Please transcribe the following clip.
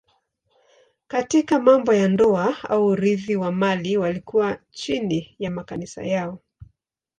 Katika mambo ya ndoa au urithi wa mali walikuwa chini ya makanisa yao.